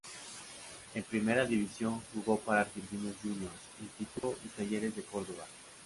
En Primera División jugó para Argentinos Juniors, Instituto y Talleres de Córdoba.